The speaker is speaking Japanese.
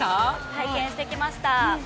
体験してきました。